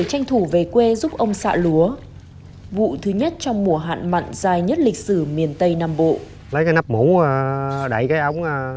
tranh thủ về quê giúp ông xạ lúa vụ thứ nhất trong mùa hạn mặn dài nhất lịch sử miền tây nam bộ